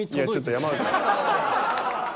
山内。